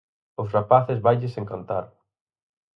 Aos rapaces vailles encantar.